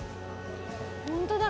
本当だ。